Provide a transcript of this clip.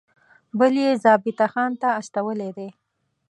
بل یې ضابطه خان ته استولی دی.